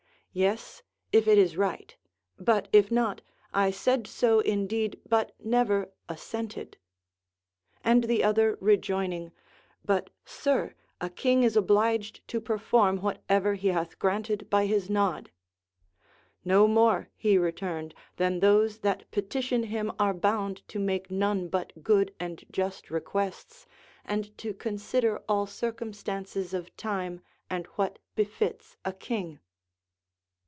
Yes, if it is right; but if not, I said so indeed but never assented. And the other rejoining, But, sir, a king is obliged to perform whatever he hath granted by his nod ;* No more, he returned, than * II. I. 527 VOL. I. 25 386 LACONIC APOPHTHEGMS. those that petition him are bound to make none but good and just requests, and to consider all circumstances of time and what befits a king.